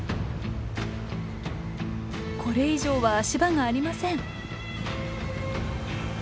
これ以上は足場がありません。